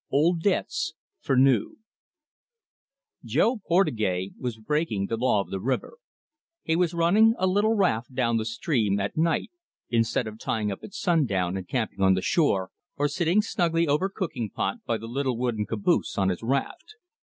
OLD DEBTS FOR NEW Jo Portugtais was breaking the law of the river he was running a little raft down the stream at night, instead of tying up at sundown and camping on the shore, or sitting snugly over cooking pot by the little wooden caboose on his raft.